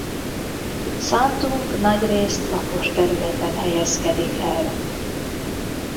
Santung nagyrészt lapos területen helyezkedik el.